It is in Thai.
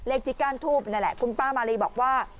เลขที่ก้านทูบนั่นแหละคุณป้ามาลีบอกว่า